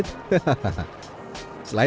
saya pun terbiasa